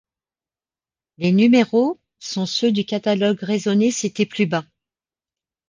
Les n° sont ceux du catalogue raisonné cité plus bas.